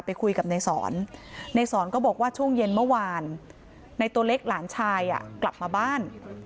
ไปคุยกับนายสอนในสอนก็บอกว่าช่วงเย็นเมื่อวานในตัวเล็กหลานชายกลับมาบ้าน